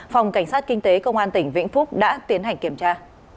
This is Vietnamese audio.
phòng cảnh sát kinh tế công an tỉnh vĩnh phúc đã tiến hành kiểm tra